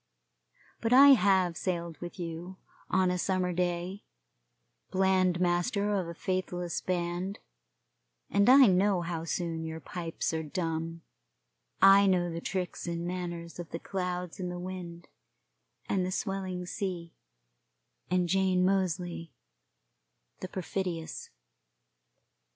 But I have sailed with you, on a summer day, bland master of a faithless band; and I know how soon your pipes are dumb I know the tricks and manners of the clouds and the wind, and the swelling sea, and Jane Moseley, the perfidious.